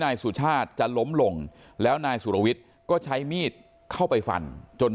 นายสุชาติจะล้มลงแล้วนายสุรวิทย์ก็ใช้มีดเข้าไปฟันจน